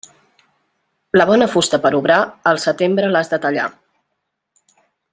La bona fusta per obrar, al setembre l'has de tallar.